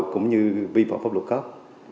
cũng như vi phạm pháp luật khắc